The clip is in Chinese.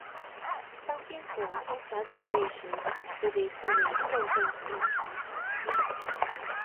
当冰河在峡谷内时则被称为线状谷底沉积。